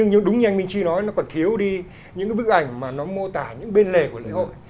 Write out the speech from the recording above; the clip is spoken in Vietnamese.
nhưng đúng như anh minh chưa nói nó còn thiếu đi những cái bức ảnh mà nó mô tả những bên lề của lễ hội